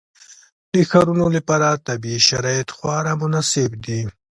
د ښارونو لپاره طبیعي شرایط خورا مناسب دي.